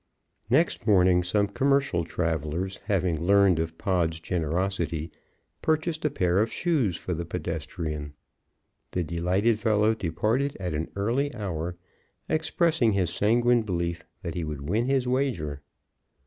Next morning some commercial travelers, having learned of Pod's generosity, purchased a pair of shoes for the pedestrian. The delighted fellow departed at an early hour, expressing his sanguine belief that he would win his wager.